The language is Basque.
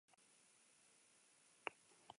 Egun batean, bat-batean sortzen diren erokeriak dira.